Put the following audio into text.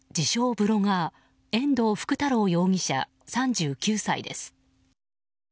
ブロガー遠藤福太郎容疑者、３９歳です。